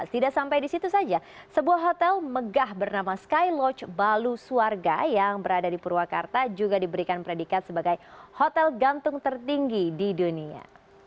tidak sampai di situ saja sebuah hotel megah bernama skyloge balu suarga yang berada di purwakarta juga diberikan predikat sebagai hotel gantung tertinggi di dunia